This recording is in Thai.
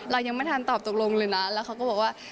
เรายังไม่ทันตอบตกลงเลยนะแล้วเขาก็บอกว่า